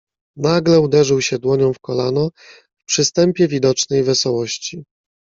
"Nagle uderzył się dłonią w kolano, w przystępie widocznej wesołości."